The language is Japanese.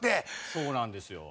そうなんですよ。